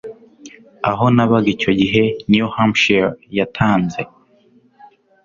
Aho nabaga icyo gihe, New Hampshire yatanze